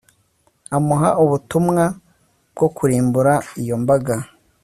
amuha ubutumwa bwo kurimbura iyo mbaga